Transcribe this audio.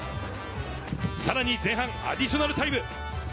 さらに前半アディショナルタイム。